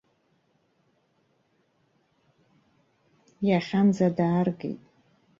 Иахьанӡа дааргеит.